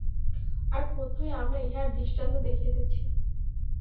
আর প্রত্যহই আমরা ইহার দৃষ্টান্ত দেখিতেছি।